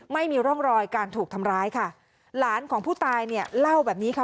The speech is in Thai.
ไม่มีร่องรอยการถูกทำร้ายค่ะหลานของผู้ตายเนี่ยเล่าแบบนี้ค่ะ